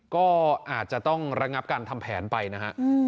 ก็อาจจะต้องระงับการทำแผนไปนะฮะ